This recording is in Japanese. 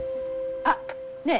あっねえ